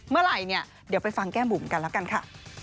เมื่อไหร่เนี่ยเดี๋ยวไปฟังแก้บุ๋มกันแล้วกันค่ะ